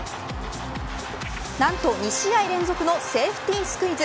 何と、２試合連続のセーフティースクイズ。